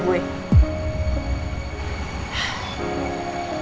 gue tadi denger banget dengan jelas